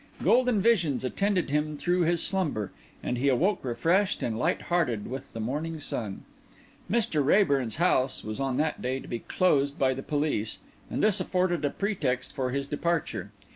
Golden visions attended him through his slumber, and he awoke refreshed and light hearted with the morning sun. Mr. Raeburn's house was on that day to be closed by the police, and this afforded a pretext for his departure.